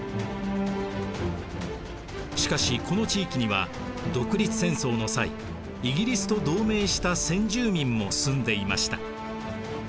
しかしこの地域には独立戦争の際イギリスと同盟した先住民も住んでいました。